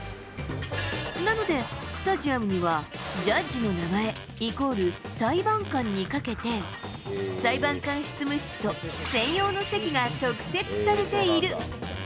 なので、スタジアムにはジャッジの名前イコール裁判官にかけて、裁判官執務室と専用の席が特設されている。